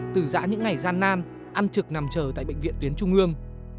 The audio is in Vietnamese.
từ giã những ngày gian nan ăn trực nằm chờ tại bệnh viện tuyến trung ương